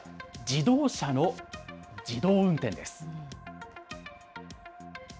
自動車の自動運転です。